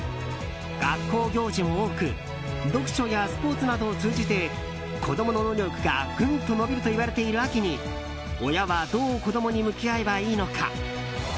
学校行事も多く読書やスポーツなどを通じて子供の能力が、ぐんと伸びるといわれている秋に親は、どう子供に向き合えばいいのか。